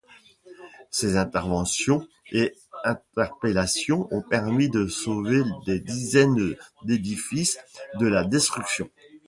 Ses interventions et interpellations ont permis de sauver des dizaines d'édifices de la destruction.